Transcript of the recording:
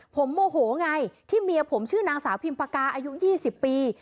ผมโมโหไงที่เมียผมชื่อนางสาวพิมพากาอายุ๒๐ปี